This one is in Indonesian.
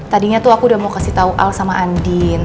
tadinya tuh aku udah mau kasih tau al sama andin